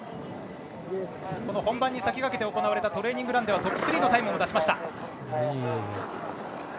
本番に先駆けて行われたトレーニングランではトップ３のタイムを出しました。